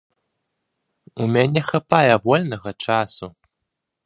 У мяне хапае вольнага часу.